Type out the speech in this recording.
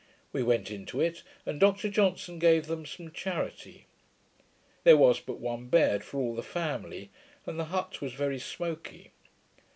We went into it, and Dr Johnson gave them some charity. There was but one bed for all the family, and the hut was very smoky.